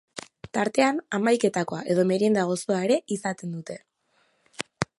Tartean hamaiketakoa edo merienda gozoa ere izaten dute.